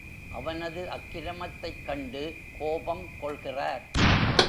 அவனது அக்கிரமத்தைக் கண்டு கோபங் கொள்கிறார்.